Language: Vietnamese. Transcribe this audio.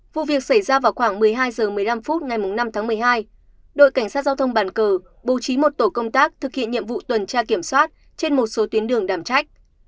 vụ việc xảy ra vào khoảng một mươi hai h một mươi năm phút ngày năm tháng một mươi hai đội cảnh sát giao thông bản cờ bố trí một tổ công tác thực hiện nhiệm vụ tuần tra kiểm soát trên một số tuyến đường đảm trách